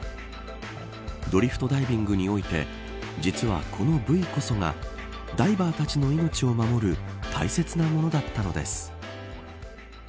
ドリフトダイビングにおいて実はこのブイこそがダイバーたちの命を守る大切なものだったのです。